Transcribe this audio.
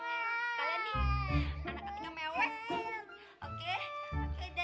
gereranya manis kok udah gak habis sih